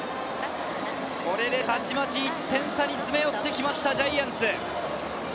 これでたちまち１点差に詰め寄って来ましたジャイアンツ。